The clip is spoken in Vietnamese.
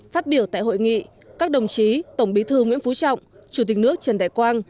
phát biểu tại hội nghị các đồng chí tổng bí thư nguyễn phú trọng chủ tịch nước trần đại quang